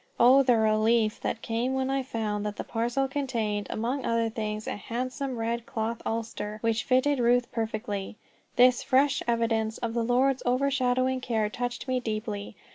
Oh, the relief that came when I found that the parcel contained, among other things, a handsome red cloth ulster, which fitted Ruth perfectly. This fresh evidence of the Lord's overshadowing care touched me deeply.